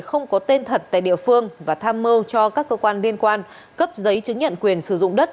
không có tên thật tại địa phương và tham mưu cho các cơ quan liên quan cấp giấy chứng nhận quyền sử dụng đất